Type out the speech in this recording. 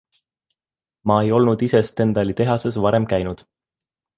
Ma ei olnud ise Stendali tehases varem käinud.